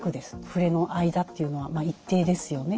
振れの間というのは一定ですよね。